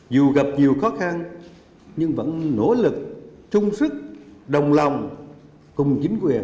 dù gặp nhiều khó khăn nhưng vẫn nỗ lực chung sức đồng lòng cùng chính quyền